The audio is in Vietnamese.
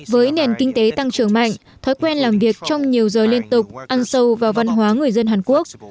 với nền kinh tế tăng trưởng mạnh thói quen làm việc trong nhiều giờ liên tục ăn sâu vào văn hóa người dân hàn quốc